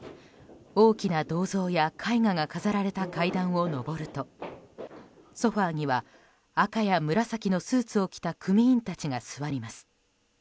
大きな銅像や絵画が飾られた階段を上るとソファには赤や紫のスーツを着た組員たちが座ります。